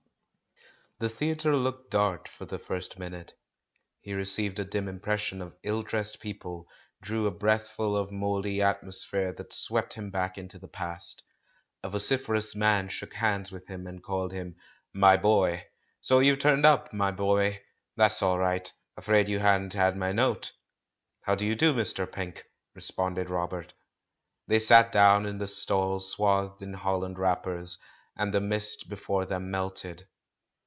The theatre looked dark for the first minute. He received a dim impression of ill dressed peo ple, drew a breathful of mouldy atmosphere that swept him back into the past. A vociferous man shook hands with him, and called him "my boy." *'So you've turned up, my boy ! That's all right. Afraid you hadn't had my note." "How do you do, Mr. Pink," responded Robert. They sat down in the stalls swathed in hoUand wrappers, and the mist before him melted.